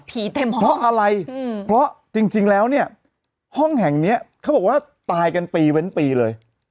เต็มห้องเพราะอะไรเพราะจริงแล้วเนี่ยห้องแห่งเนี้ยเขาบอกว่าตายกันปีเว้นปีเลย